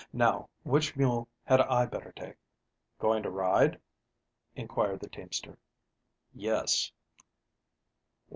Now, which mule had I better take?" "Going to ride?" inquired the teamster. "Yes."